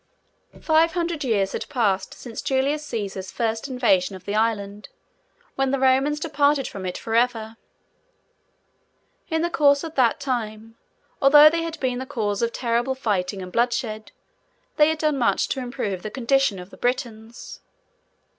Five hundred years had passed, since Julius Cæsar's first invasion of the Island, when the Romans departed from it for ever. In the course of that time, although they had been the cause of terrible fighting and bloodshed, they had done much to improve the condition of the Britons.